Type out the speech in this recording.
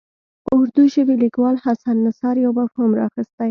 اردو ژبي لیکوال حسن نثار یو مفهوم راخیستی.